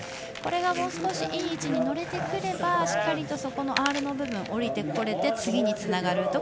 これがもう少しいい位置に乗れてくればしっかりとＲの部分に降りてこれて、次につながる。